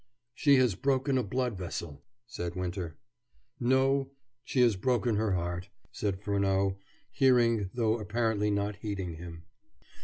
"She has broken a blood vessel," said Winter. "No; she has broken her heart," said Furneaux, hearing, though apparently not heeding him.